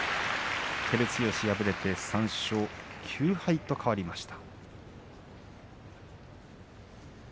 照強、敗れて３勝９敗と変わりました。